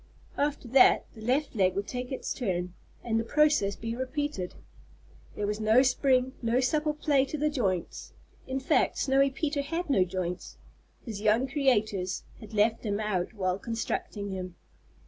After that the left leg would take its turn, and the process be repeated. There was no spring, no supple play to the joints; in fact, Snowy Peter had no joints. His young creators had left them out while constructing him.